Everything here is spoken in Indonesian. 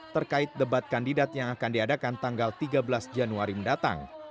terkait debat kandidat yang akan diadakan tanggal tiga belas januari mendatang